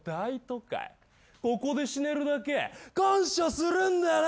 ここで死ねるだけ感謝するんだな。